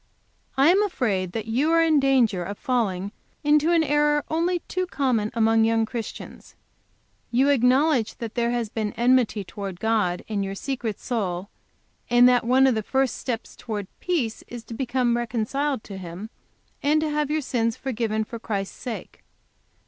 "I am afraid that you are in danger of falling into an error only too common among young Christians. You acknowledge that there has been enmity to towards God in your secret soul, and that one of the first steps towards peace is to become reconciled to Him and to have your sins forgiven for Christ's sake.